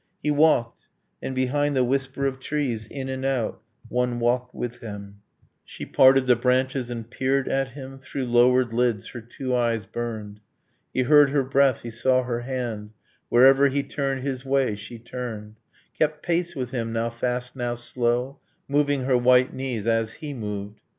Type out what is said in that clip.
. He walked; and behind the whisper of trees, In and out, one walked with him: She parted the branches and peered at him, Through lowered lids her two eyes burned, He heard her breath, he saw her hand, Wherever he turned his way, she turned: Kept pace with him, now fast, now slow; Moving her white knees as he moved